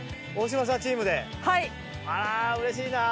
あらうれしいなぁ。